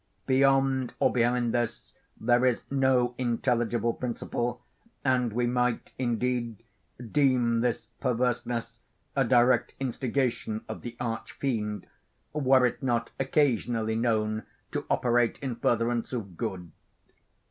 Beyond or behind this there is no intelligible principle; and we might, indeed, deem this perverseness a direct instigation of the Arch Fiend, were it not occasionally known to operate in furtherance of good.